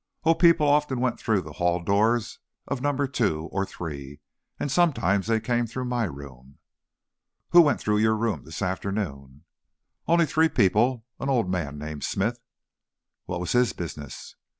"Oh, people often went through the hall doors of number two or three, and sometimes they came through my room." "Who went through your room this afternoon?" "Only three people. An old man named Smith " "What was his business?"